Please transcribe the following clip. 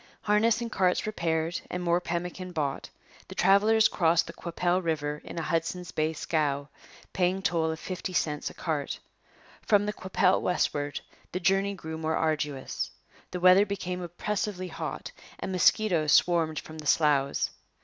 Harness and carts repaired and more pemmican bought, the travellers crossed the Qu'Appelle river in a Hudson's Bay scow, paying toll of fifty cents a cart. From the Qu'Appelle westward the journey grew more arduous. The weather became oppressively hot and mosquitoes swarmed from the sloughs.